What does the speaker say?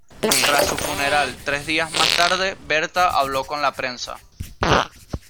Tras su funeral tres días más tarde, Berta habló con la prensa.